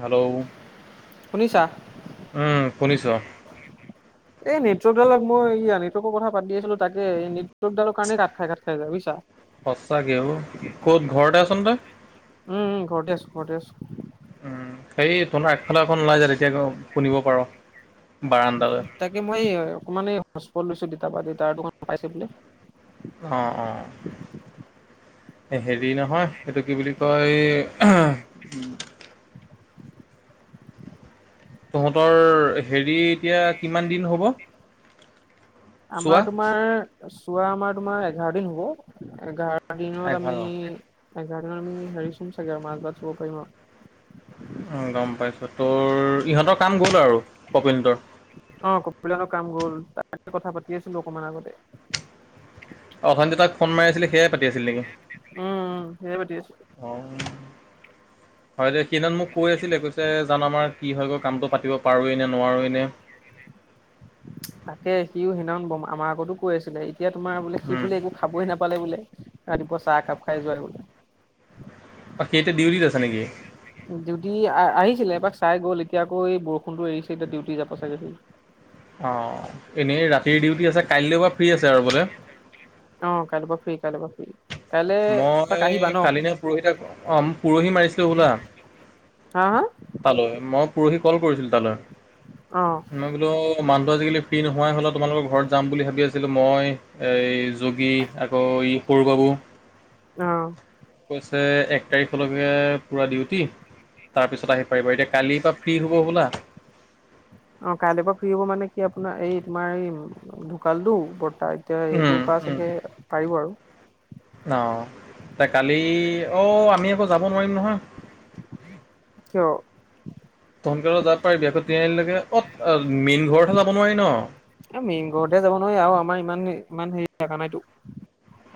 Hello শুনিছা উম শুনিছো এই নেটৱৰডালক মই ই নেটৱৰ্কৰ কথা পাতি আছিলো তাকে এই নেটৱকডালৰ কাৰণে কাট খাই খাত খাই য বুজছা সঁচাকৈও ক'ত ঘৰতে আছোন তই উম ঘতে আছো ঘতেি আছো সেই তোোনাৰ আগফালা এখন ওলাই যায় তেতিয়া শুনিব পাৰ বাৰানণ্ডালৈ তাকে মই অকণমান হ'ষ্টপট লৈছোঁ দেউতা বা দেউতাৰ দোকান পাইছে বোলে। অ-অ। এ হেৰি নহয়! সেইটো কি বুলি কয়? তহঁতৰ হেৰি, এতিয়া কিমান দিন হ'ব? আমাৰ চোৱা! তোমাৰ চোৱা আমাৰ, তোমাৰ এঘাৰ দিন হ'ব। এঘাৰ দিনত এঘাৰ আমি এঘাৰ দিনত আমি হেৰি চোন চাগে [unintelligible] পাৰিম আৰু। উম্ গম পাইছো তোৰ, ইহঁতৰ কাম গ'ল আৰু কপিলহঁতৰ। অ কপিলহঁতৰ কাম গ'ল, তাৰ কথা পাতি আছিলোঁ অকণমান আগতে। অ অশানি তাক ফোন মাৰি আছিলে, সেয়াই পাতি আছিল নেকি? উম উম সেয়ে পাতি আছো। অ হয় দে! সেইদিনাখন মোক কৈ আছিলে, কৈছে জানো আমাৰ কি হয় গৈ কামটো পাতিব পাৰোঁৱেই নে, নোৱাৰোৱেই নে! তাকে, সিও সেইদিনাখন ব আমাৰ আগতো কৈ আছিলে। এতিয়া তোমাৰ বোলে, সি উম বোলে একো খাবই নাপালে বোলে, ৰাতিপুৱা চাহ কাপ খাই যোৱাই বোলে। বাকী, এতিয়া ডিউটিত আছা নেকি? ডিউটি আহ আহিছিলে, এপাক চাই গ'ল। এতিয়া আকৌ এই বৰষুণটো এৰিছে। এতিয়া ডিউটি যাব চাগে সি। অ, এনেই ৰাতিৰ ডিউটি আছে, কাইলৈ পা ফ্ৰী আছে আৰু বোলে। অ, কাইলৈ পা ফ্ৰী, কাইলৈ পা ফ্ৰী। কাইলে এপাক মই আহিবা ন কালি নে পৰহি, তাক অ, পৰহি মাৰিছিলো হবলা। হা হা! তালৈ, মই পৰহি কল কৰিছিলোঁ তালৈ। অ মই বোলো, মানুহটো আজিকালি ফ্ৰী নোহোৱাই হ'লা। তোমালোকৰ ঘৰত যাম বুলি ভাবি আছিলোঁ। মই এই যোগী, আকৌ ই সৰু বাবু। অ কৈছে, এক তাৰিখলৈকে পূৰা ডিউটি। তাৰপিছত আহিম। পাৰিব এতিয়া, কালিৰ পৰা ফ্ৰী হ'ব হবলা! অ, কাইলেপৰা ফ্ৰী হ'ব মানে কি? আপোনাৰ, এই তোমাৰ এই ঢুকালটো বৰ্তা এতিয়া, সেইটো উম, [unintelligible] চাগে পাৰিব আৰু! অ, ত কালি, অ আমি আকৌ যাব নোৱাৰিম নহয়! কিয়? ত সোনকালে যাব পাৰি আকৌ, [unintelligible] অ মেইন ঘৰতহে যাব নোৱাৰি ন! এ মেইন ঘৰতে যাব নোৱাৰি আৰু আমাৰ ইমান ইমান হেৰি জাগা নাইতো।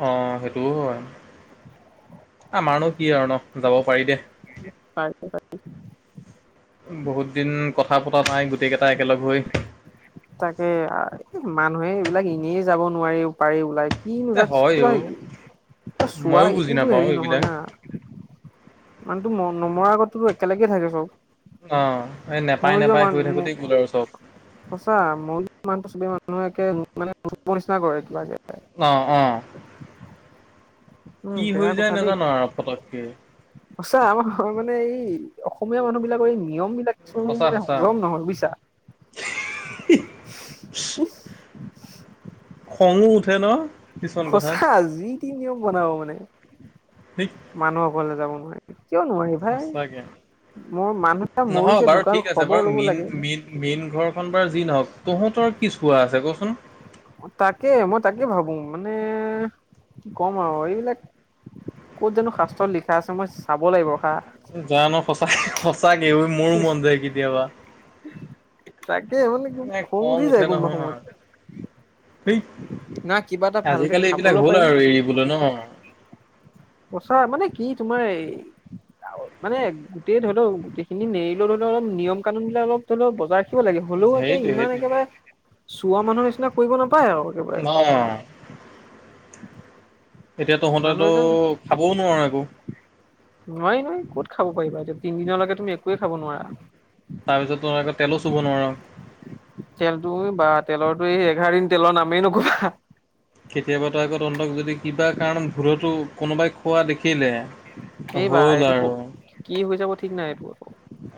অ, সেইটোও হয়। আমাৰনো কি আৰু ন! যাব পাৰি দে। বহুত দিন কথা পতা নাই গোটেই কেইটা একেলগ হৈ। তাকে, আ- এ মানুহে এইবিলাক এনেই যাব নোৱাৰি উপায় ওলাই কিনো এ জাষ্ট হয় কিবা অ কিবা চোৱা ময়ো বুজি একোতো নাপাওঁ হেৰি নহয় এইবিলাক না! মানুটো ম নমৰাৰ আগতো একেলগে থাকে চব! অ, এই নেপাই মৰি যোৱা নেপাই মান কৈ থাকোঁতেই গ'ল আৰু চব। সঁচা, মই ইমান চব মানুহে একে মানে ধূপৰ নিচিনা কৰে কিবা কে। অ', অ'। উম, কি বেয়া হৈ যায় কথা দেই। নাজানো আৰু পতককে সচাঁ, আমাৰ মানে এই অসমীয়া মানুহবিলাকৰ এই নিয়মবিলাক চব সঁচা মানে সঁচা হজম নহয়, বুজিছা? খঙো উঠে ন'? কিছুমান কথাত সঁচা, যিতি নিয়ম বনাব মানে। সেই মানুহৰ ঘৰলৈ যাব নোৱাৰিবি, কিয় নোৱাৰিম? সঁচাকে হেই, মোৰ মানুহটো নহয় মৰিছে, বাৰু ঠিক ঢুকাল আছে বাৰু খবৰ ল'ব মেইন লাগে। মেইন মেইন ঘৰখন বাৰু যি নহওঁক, তহঁতৰ কি চোৱা আছে কচোন? তাকে, মই তাকে ভাবো মানে কি ক'ম আৰু এইবিলাক ক'ত জানো শাস্ত্ৰত লিখা আছে, মই চাব লাগিব হা। জানো সঁচাক সঁচাকে মোৰো মন যায় কেতিয়াবা। তাকে মানে খং উঠি যায় উঠে কোনোবা সময়ত নহয় হেই, না কিবা এটা ভালকে আজিকালি এইবিলাক খাবলৈ হ'ল পাৰি আৰু এৰিবলৈ ন'? সঁচা মানে কি তোমাৰ এই মানে গোটেই ধৰি লও গোটেইখিনি নেৰিলেও ধৰি লও অলপ নিয়ম কানুনবিলাক অলপ ধৰি লও বজাৰ থাকিব লাগে, হ'লেও একে সেইটোৱে ইমান সেইটোৱে একেবাৰে চোৱা মানুহৰ নিচিনা কৰিব নাপায় আৰু। একেবাৰে অ'। এতিয়া মানুহ তহঁতেতো এজন খাবও নোৱাৰ একো। নোৱাৰি নহয়, ক'ত খাব পাৰিবা এতিয়া, তিনদিনলৈকে তুমি একোৱে খাব নোৱাৰা। তাৰপিছত তোৰ আকৌ তেলো চুব নোৱাৰ। তেলটো বা তেলৰটুই এই এঘাৰ দিন তেলৰ নামেই নকবা। কেতিয়াবাতো আকৌ তহন্ততক যদি কিবা কাৰণত ভুলতো কোনোবাই খোৱা দেখিলে এই বা হ'ল এইটো ক আৰু। কি হৈ যাব ঠিক নাই এইটো।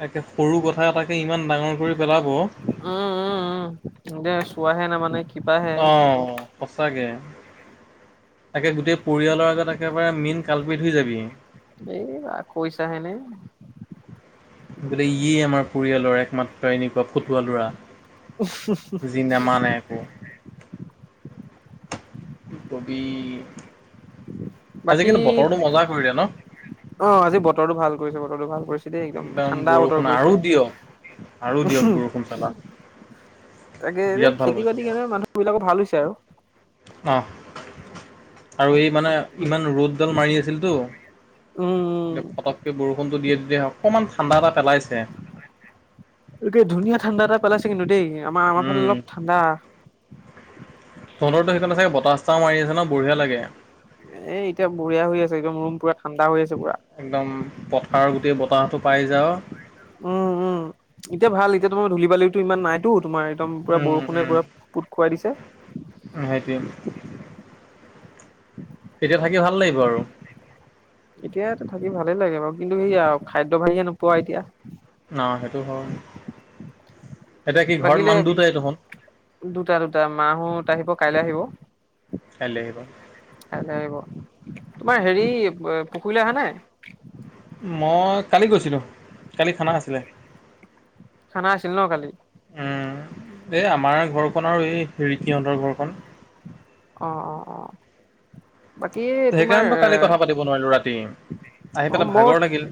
একে সৰু কথা এটাকে ইমান ডাঙৰ কৰি পেলাব। উম, উম, উম দে চোৱাহে নামানে। কিবাহে অ' সঁচাকে। তাকে গোটেই পৰিয়ালৰ আগত একেবাৰে মেইন কালপট হৈ যাবি। এই কৈছাহেনে বোলে ইয়েই আমাৰ পৰিয়ালৰ একমাত্ৰ এনেকুৱা ফটুৱা ল'ৰা। যি নামানে একো। কি কবি, আজি বাকী কিন্তু বতৰটো মজা কৰি দিয়া ন'? অ' আজি বতৰটো ভাল কৰিছে, বতৰটো ভাল কৰিছে। দেই একদম ঠাণ্ডা বতৰ বৰষুণ আৰু দিয়ক আৰু দিয়ক কৰিছে। বৰষুণ চালা তাকে এই বিৰাট ভাল খেতি পাইছো বাতি মই কাৰনে মানুহবিলাকৰ ভাল হৈছে আৰু। অ' আৰু এই মানে ইমান ৰ'দডাল মাৰি আছিলতো উম ফটককে বৰষুণটো দিয়ে, তেতিয়া অকণমান ঠাণ্ডা এটা পেলাইছে। তাকে ধুনীয়া ঠাণ্ডা এটা পেলাইছে কিন্তু দেই। আমাৰ আমাৰফালে উম অলপ ঠাণ্ডা। তহঁতৰটো সেইখন আছে, বতাহ চতাহ মাৰি আছে ন' বঢ়িয়া লাগে। এই এতিয়া বঢ়িয়া হৈ আছে। একদম ৰুম পুৰা ঠাণ্ডা হৈ আছে পুৰা। একদম পথাৰৰ গোটেই বতাহতটো পাই যাওঁ। উম, উম, এতিয়া ভাল, এতিয়া তোমাৰ ধূলি বালিটো ইমান নাইতো, তোমাৰ একদম পুৰা বষু উম কোনে উম কোৰা পুট খুৱাই দিছে। সেইটোৱে। [inaudible] তেতিয়া থাকি ভাল লাগিব আৰু। এতিয়া থাকি ভালেই লাগে। বাৰু কিন্তু সেইয়া খাদ্য [unintelligible] নোপোৱা এতিয়া, না সেইটো হয়। এতিয়া কি ঘৰত বাকীলে মানুহ দুটাই দেখোন দুটা, দুটা, মাহঁত আহিব কাইলৈ আহিব [inaudible] [unintelligible] আহিব তোমাৰ হেৰি পুখুৰলা হা [unintelligible] মই কালি গৈছিলোঁ। কালি খানা আছিলে। খানা আছিল ন কালি এই, আমাৰ ঘৰখন আৰু এই হিৰিকিহঁতৰ ঘৰখন অ', অ, অ, বাকী তোমাৰ সেইকাৰণটো কি কথা পাতি নোৱাৰিলো ৰাতি আহি অ', পেলাই ম ভাগৰ লাগিল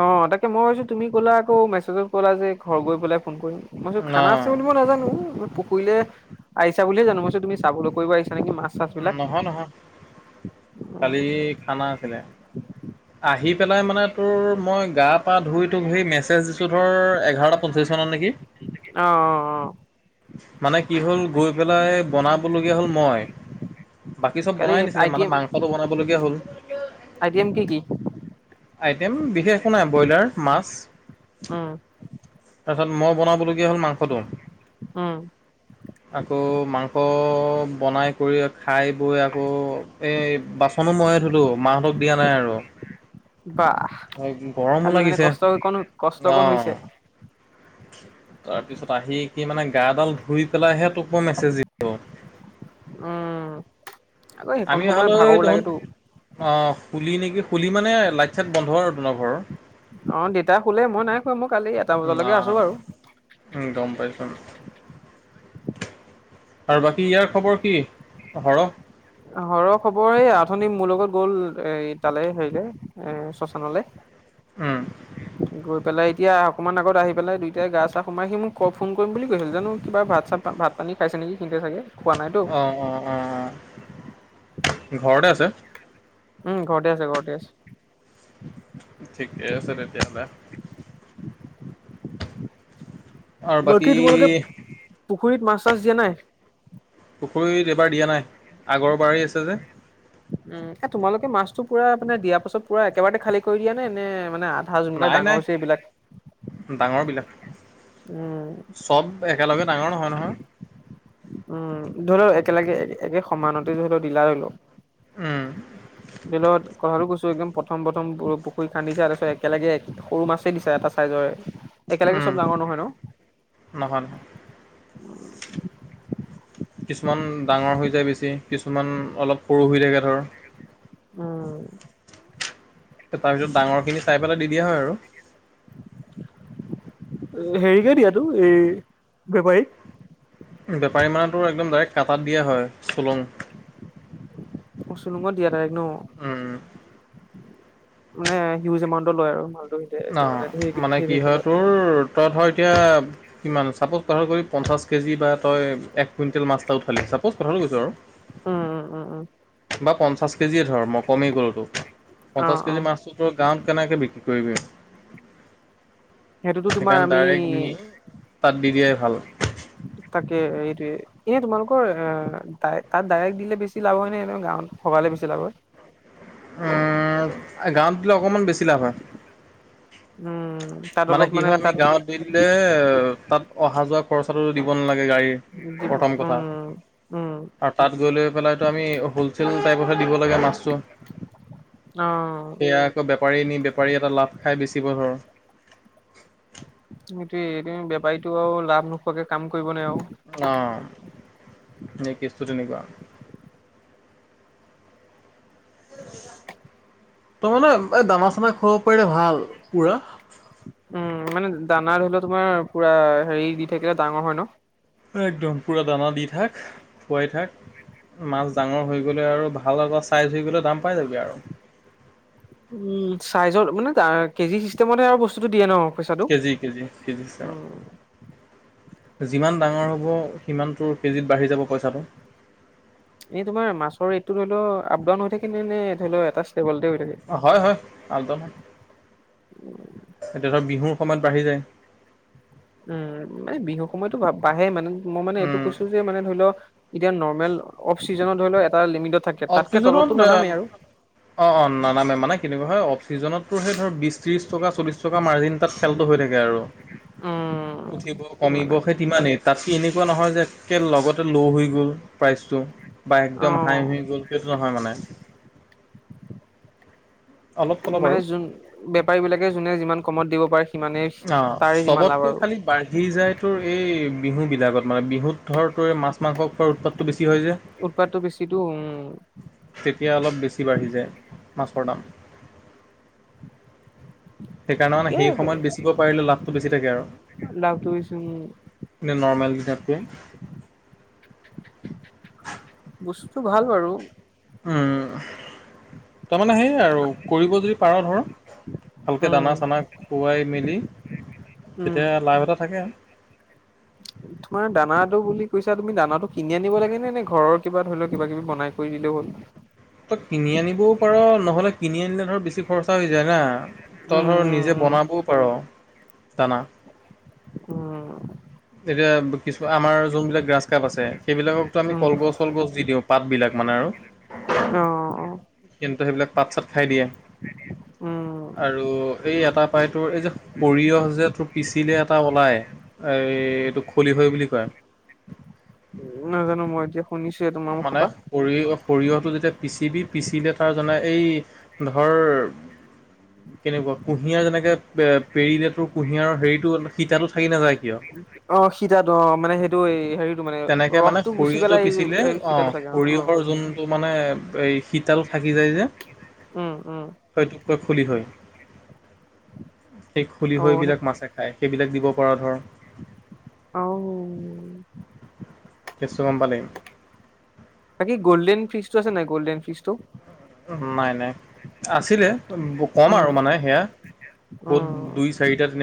অ', তাকে মই ভাৱিছো তুমি কলা আকৌ মেছেজত ক'লা যে ঘৰ গৈ পেলাই ফোন কৰিম। মই চো ন খানা আছে বুলি মই নাজানো আহিছা বুলিয়ে জানো, মইছো তুমি চাবলৈ কৰিব আহিছা নেকি মা উ, নহয়, নহয়, উম কালি খানা আছিলে আহি পেলাই মানে, তোৰ মই গা পা ধুই তোক সেইৰি মেছেজ দিছোঁ ধৰ, এঘাৰটা পঞ্চলিছ মানত নেকি অ', অ', মানে কি হ'ল, গৈ পেলাই বনাবলগীয়া হ'ল মই বাকী চব কালি বনাই নিছিলে, আই টি মানে এম মাংসটো বনাবলগীয়া হল আই টি এম কি কি আইটেম বিশেষ একো নাই, ব্ৰইলাৰ মাছ উম তাৰপাছত, মই বনাবলগীয়া হ'ল মাংসটো। অ', আকৌ, মাংস বনাই কৰি খাই বৈ আকৌ, এই বাচনো ময়ে ধুলো মাহতক দিয়া নাই আৰু বাহ গৰমো কালি মানে লাগিছে, কষ্ট অকণ কষ্ট অকণ হৈছে অ', তাৰ পিছত আহি কি মানে, গাডাল ধুই পেলাইহে তোক মই মেছেজ দিলো। উম, আকৌ সেইখন সময় ভাগাব লাগেতো অঁ শুলি নেকি, শুলি মানে, লাইট চাইট বন্ধ আৰু তোমাৰ ঘৰৰ অ', দেতা শুলে, মই নাই শুৱা, মই কালি এটা বজালৈকে আছো বাৰু উম, গম পাইছোঁ আৰু বাকী ইয়াৰ খবৰ কি হৰ হৰ খবৰ, এই আথনি মোৰ লগত গ'ল এ তালৈ হেৰিলে এ শশানলৈ হম, গৈ পেলাই এতিয়া অকণমান, আগত আহি পাই দুইটাই গা চা সোমাই আহি মোক ফোন কৰিম বুলি কৈছিল, জানো কিবা ভাত চাত ভাত পানী খাইছে নেকি চাগে খোৱা নাইতো অ', অ', অ', ঘৰতে আছে উম, ঘৰতে আছে, ঘৰতে আছে ঠিকে আছে, তেতিয়াহলে বাকী তোমালোকে, পুখুৰীত মাছ চাছ দিয়া নাই পুখুৰীত এইবাৰ দিয়া নাই, আগৰ বাৰেই আছে যে উ, এ তোমালোকে মাছটো পুৰা মানে দিয়াৰ পাছত পুৰা, একেবাৰে খালী কৰি দিয়া নে নে মানে নাই যোনবিলাক নাই [unintelligible] এইবিলাক ডাঙৰবিলাক উম, চব একেলগে ডাঙৰ নহয় নহয় উম, ধৰি লও একেলগে একে সমানতে ধৰি লও দিলা ধৰি লও উম, বিলত কথাটো কৈছো, একদম প্ৰথম প্ৰথম পুখুৰী খান্দিছে, একেলগে উম চব ডাঙৰ নহয় ন? নহয় নহয় কিছুমান ডাঙৰ হৈ যায় বেছি কিছুমান অলপ সৰু হৈ থাকে ধৰ উম, তাৰ পিছত ডাঙৰ খিনি চাই পেলাই দি দিয়া হয় আৰু। হেৰিকে দিয়াতো এই বেপাৰীক? বেপাৰী মানে তোৰ একদম ডাইৰেক্ট কাটাত দিয়া হয় চুলং অ', চুলুঙত দিয়া ডাইৰেক্ট ন'? উম, মানে হিউজ এমাউন্টৰ লয় আৰু মাল ন' মানে কি হয় তোৰ তই ধৰ এতিয়া কিমান চাপ'জ কথাটো কৰি পঞ্চাছ কেজি বা তই এক কুইণ্টেল মাছ এটা উঠালি ছাপ'জ কথাটো কৈছো আৰু উম, উম, উম, উম, বা পঞ্চাছ কেজিয়ে ধৰ মই কমি ক'লোৱে তোক, অ পঞ্চাছ অ কেজি মাছতোৰ তই গাঁৱত কেনেকে বিক্ৰী কৰিবি? সেইটোতো তোমাৰ সেইকাৰণে আমি ডাইৰেক্ট নি তাত দি দিয়াই ভাল। তাকে সেইটোৱে এনে তোমালোকৰ আ, তাত ডাইৰেক্ট দিলে বেছি লাভ হয় নে গাঁৱত সবালে বেছি লাভ হয়? উম, গাঁৱত দিলে অকনমান বেছি লাভ হয়। উম, তাত মানে অলপ কি হয় আমি তাত গাঁৱত দি দিলে তাত অহা যোৱা খৰচাটো দিব নালাগে গাড়ী। উম, উম, আৰু তাত গৈ লৈ পেলাইটো আমি হ'লচেল টাইপতহে দিব লাগে মাছটো অ সেয়া আকৌ বেপাৰী নি বেপাৰী এটা লাভ খাই বেচিব ধৰ। সেইটোয়ে এই বেপাৰীটো আৰু লাভ নোখোৱাকে কাম কৰিব নে আৰু? অ', কেছটো তেনেকুৱা। ত' মানে এই দানা চানা খুৱাব পাৰিলে ভাল পুৰা উম, মানে দানা ধৰিলোৱা তোমাৰ পুৰা হেৰি দি থাকিলে ডাঙৰ হয় ন? একদম পুৰা দানা দি থাক, খুৱাই থাক, মাছ ডাঙৰ হৈ গ'লে আৰু ভাল এটা চাইজ হৈ গ'লে দাম পাই যাবি আৰু। উম, চাইজৰ মানে কেজি চিষ্টেমত হে আৰু বস্তুটো দিয়ে ন? পইচাটো কেজি - কেজি - কেজি উম যিমান ডাঙৰ হ'ব সিমান তোৰ কেজিত বাঢ়ি যাব পইচাটো। এনে তোমাৰ মাছৰ ৰেডটো ধৰি ল' আপ ডাউন হৈ থাকে নে, নে ধৰি ল' এটা ষ্টেবলতে হৈ থাকে? হয়, হয়, আপ দাউন হয়, এতিয়া ধৰ বিহুৰ সময়ত বাঢ়ি যায়। উম, মানে বিহু সময়তো বাঢ়ে মানে, মই মানে এইটো উম কৈছোঁ যে মানে ধৰি ল' এতিয়া নৰ্মেল অফ চিজনত ধৰিল' এটা লিমিটত থাকে অফ তাতকে চিজনত তলতটো নানামেই আৰু অ', অ', নানামে মানে কেনেকুৱা হয় অফচিজনতো সেই ধৰ বিছ ত্ৰিছ টকা চল্লিছ টকা মাৰ্জিন তাত খেলটো হৈ থাকে আৰু। উঠিব উম কমিব মানে সেই ইমানেই তাত কি এনেকুৱা নহয় যে একে লগত ল' হৈ গ'ল প্ৰাইচটো বা অ একদম হাই হৈ গ'ল সেইটো নহয় মানে অলপ অলপ মানে আৰু যোন বেপাৰী বিলাকে যোনে যিমান কমত দিব পাৰে সিমানে অ', তাৰে যিমান চবতকে লাভ আৰু। খালি বাঢ়ি যায় তোৰ এই বিহু বিলাকত মানে বিহুত ধৰ তোৰ এই মাছ মাংস খোৱাৰ উৎপাতটো বেছি হয় যে। উৎপাতটো বেছিতো উম তেতিয়া অলপ বেছি বাঢ়ি যায়, মাছৰ দাম। সেইকাৰণে ঠিকে সেই সময়ত বেছি পাৰিলে লাভটো বেছি থাকে আৰু লাভটো বেছি উম নে নৰ্মেল গিতাতকৈ বস্তুটো ভাল বাৰু। উম, তাৰমানে সেই আৰু কৰিব যদি পাৰ ধৰ ভালকৈ উম দানা চানা খুৱাই মেলি উম যেতিয়া লাভ এটা থাকে হয় [unintelligible] তোমাৰ দানাটো বুলি কৈছা তুমি দানাটো কিনি আনিব লাগে নে ঘৰৰ কিবা ধৰি লও কিবা কিবি বনাই কৰি দিলে হ'ল তই কিনি আনিবও পাৰ নহ'লে কিনি আনিলে ধৰ বেছি খৰচা হৈ যায় না তই উম ধৰ নিজে উম বনাবও পাৰ দানা উম এতিয়া কিছু আমাৰ যোনবিলাক গ্ৰাছ কাপ আছে সেইবিলাককো উম আমি উম কলগছ চলগছ দি দিওঁ পাত বিলাক মানে আৰু অ অ কিন্তু সেইবিলাক পাত চাত খাই দিয়ে উম [unintelligible] আৰু এই এটা পায়টোৰ এই যে সৰিয়হ যে তোৰ পিচিলে এটা ওলায় এই এইটো খলি হয় বুলি কয় উ নাজানো মই এতিয়া শুনিছোঁহে তোমাৰ মানে মুখপা সৰিয়হ সৰিয়হটো যেতিয়া পিচিবি পিচিলে তাৰ জানে এই ধৰ কেনেকুৱা কুঁহিয়াৰ যেনেকে এ পেৰি দ তো কুঁহিয়াৰ হেৰিতটো সীতাটো থাকি নাযায় কিয় অ সীতটো অ মানে সেইটো এই হেৰিটো মানে তেনেকে মানে ৰসটো গুচি সৰিয়হটো পেলাই পিচিলে এই হ অ সৰিয়হৰ যোনটো মানে এই শীতল থাকি যায় যে উম উম হয়টোককৈ খুলি হয় সেই খুলি অ হৈ সেই বিলাক মাছে খায় সেইবিলাক দিব পৰা ধৰ অ কেছু গম প লাগম বাক কি গ'ল্ডেন ফিচ টো আছে নাই গ'ল্ডন ফিচ টো নাই নাই আছিলে কম উম আৰু মানে সেয়া ক'ত উম দুই চাৰিটা